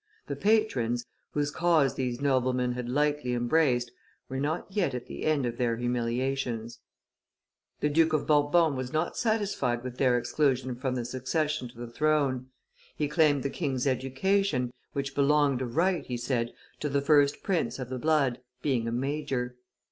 The patrons, whose cause these noblemen had lightly embraced, were not yet at the end of their humiliations. [Illustrations: The Duchess of Maine 72] The Duke of Bourbon was not satisfied with their exclusion from the succession to the throne; he claimed the king's education, which belonged of right, he said, to the first prince of the blood, being a major.